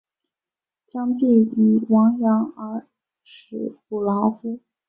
将必俟亡羊而始补牢乎！